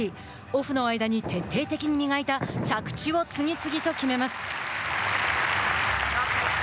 オフの間に徹底的に磨いた着地を次々と決めます。